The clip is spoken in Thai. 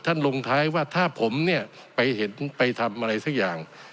ท่านลงท้ายว่าถ้าผมไปทำอะไรสักอย่าง